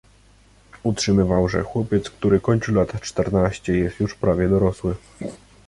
Utrzymywał, że chłopiec, który kończy lat czternaście jest już prawie dorosły.